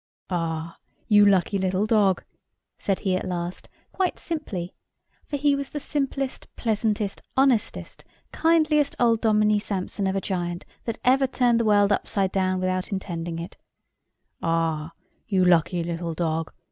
"Ah, you lucky little dog!" said he at last, quite simply—for he was the simplest, pleasantest, honestest, kindliest old Dominie Sampson of a giant that ever turned the world upside down without intending it—"ah, you lucky little dog!